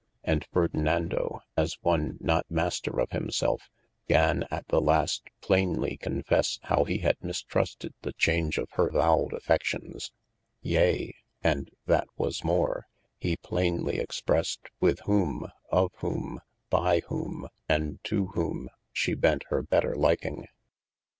And Ferdenando as on not maister of him selfe, gan at the last playnly confesse how he had mistrusted the chauhg of hir vowed affeftions : Yea and (that more was) he playnely expressed with whom, of whom, by whom, and too whom she bent hir better liking.